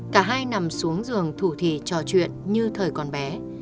cả hai nằm xuống giường thủ thị trò chuyện như thời còn bé